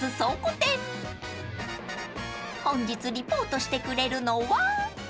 ［本日リポートしてくれるのは］